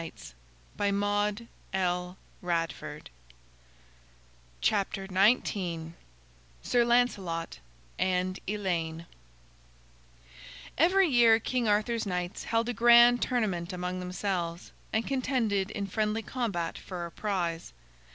[Illustration: The Two Horses] SIR LANCELOT AND ELAINE Every year King Arthur's knights held a grand tournament among themselves, and contended in friendly combat for a prize.